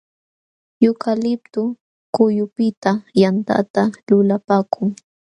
Yukaliptu kullupiqta yantata lulapaakun.